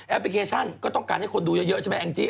พลิเคชันก็ต้องการให้คนดูเยอะใช่ไหมแองจี้